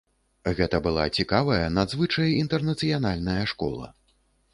Гэта была цікавая, надзвычай інтэрнацыянальная школа.